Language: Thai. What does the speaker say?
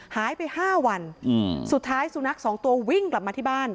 หายไป๕วันสุดท้ายสุนัขสองตัววิ่งกลับมาที่บ้าน